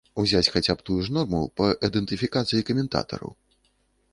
Узяць хаця б тую ж норму па ідэнтыфікацыі каментатараў.